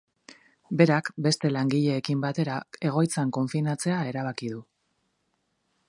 Berak, beste langileekin batera, egoitzan konfinatzea erabaki du.